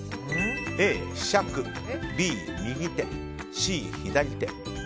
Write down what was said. Ａ、ひしゃくＢ、右手Ｃ、左手。